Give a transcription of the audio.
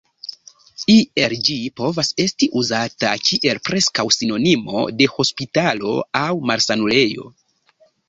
Iel ĝi povas esti uzata kiel preskaŭ sinonimo de hospitalo aŭ malsanulejo.